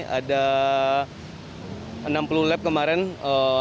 kita juga mencari mobil yang lebih berkembang dan lebih berkembang